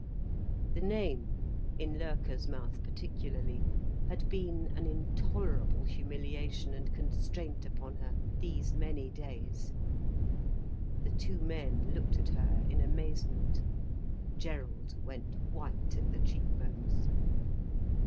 The name, in Loerke's mouth particularly, had been an intolerable humiliation and constraint upon her, these many days. The two men looked at her in amazement. Gerald went white at the cheek bones.